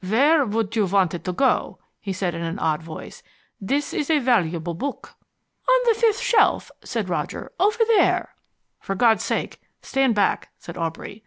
"Where would you want it to go?" he said in an odd voice. "This is a valuable book." "On the fifth shelf," said Roger. "Over there " "For God's sake stand back," said Aubrey.